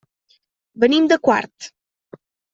Venim de Quart.